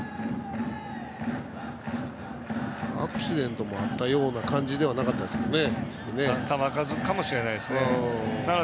アクシデントもあったような感じではなかったですもんね。